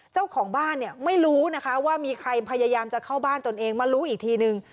เจ้าของบ้านเนี่ยไม่รู้นะคะว่ามีใครพยายามจะเข้าบ้านตนเองมารู้อีกทีนึง